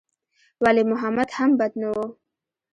ولي محمد هم بد نه و.